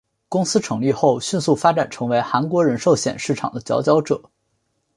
公司成立后迅速发展成为韩国人寿险市场的佼佼者。